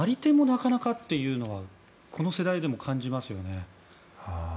なかなかというのはこの世代でも感じますよね。